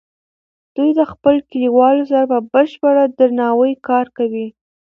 دوی د خپلو کلیوالو سره په بشپړ درناوي کار کوي.